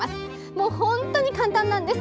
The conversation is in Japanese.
もう本当に簡単なんです。